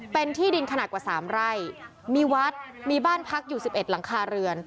เป็นที่ดินขนาดกว่าสามไร่มีวัดมีบ้านพักอยู่๑๑หลังคาเรือน